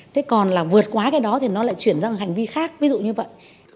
thế còn là vượt quá cái đó thì nó lại chuyển ra một hành vi khác ví dụ như vậy